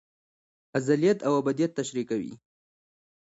ازليت او ابديت تشريح کوي